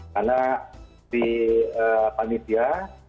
karena di panitia